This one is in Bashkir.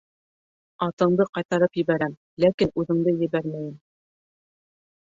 Атыңды ҡайтарып ебәрәм, ләкин үҙеңде ебәрмәйем.